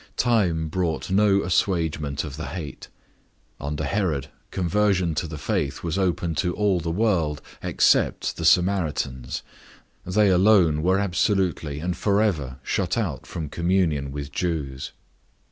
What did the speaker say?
Time brought no assuagement of the hate. Under Herod, conversion to the faith was open to all the world except the Samaritans; they alone were absolutely and forever shut out from communion with Jews.